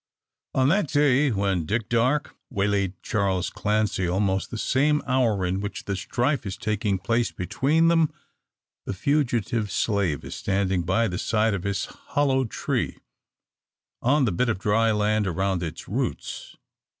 On that day when Dick Darke way laid Charles Clancy, almost the same hour in which the strife is taking place between them, the fugitive slave is standing by the side of his hollow tree, on the bit of dry land around its roots.